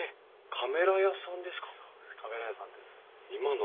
カメラ屋さんです。